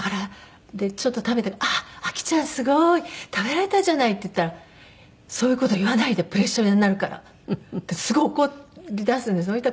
でちょっと食べて「あっあきちゃんすごい」「食べられたじゃない」って言ったら「そういう事言わないでプレッシャーになるから」ってすごい怒りだすんです。